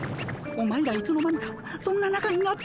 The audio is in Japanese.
お前らいつの間にかそんななかになってたのか。